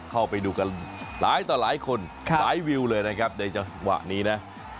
เข้าไปดูกันหลายต่อหลายคนหลายวิวเลยนะครับในจังหวะนี้นะ